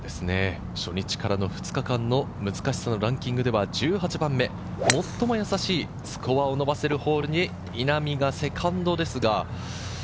初日からの２日間の難しさのランキングでは１８番目、最も優しいスコアを伸ばせるホールに稲見がセカンドですが。